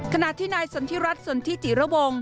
ขณะที่นายสนทิรัฐสนทิจิระวง